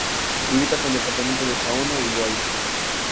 Limita con departamento de Saona y Loira.